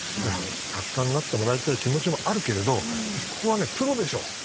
八冠になってもらいたい気持ちもあるけどここはプロでしょ。